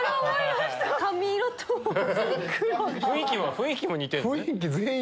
雰囲気も似てるのね。